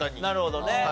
なるほどね。